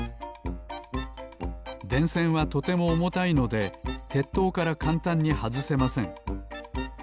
でんせんはとてもおもたいのでてっとうからかんたんにはずせません。